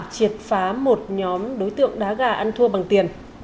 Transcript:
triệt phá một nhóm đối tượng đá gà ăn thua bằng tiền